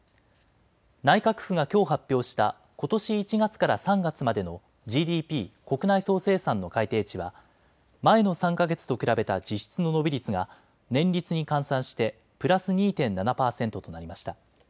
内閣府がきょう発表したことし１月から３月までのＧＤＰ・国内総生産の改定値は前の３か月と比べた実質の伸び率が年率に換算してプラス２．７％となりました。